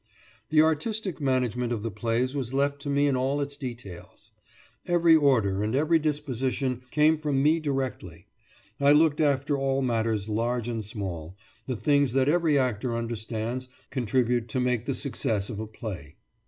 The artistic management of the plays was left to me in all its details. Every order and every disposition came from me directly. I looked after all matters large and small, the things that every actor understands contribute to making the success of a play.